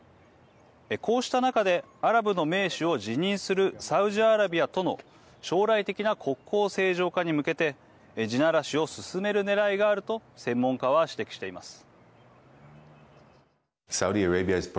こうした中でアラブの盟主を自任するサウジアラビアとの将来的な国交正常化に向けて地ならしを進めるねらいがあると専門家は指摘しています。